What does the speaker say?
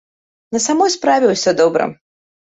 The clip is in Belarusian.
На самой справе ўсё добра.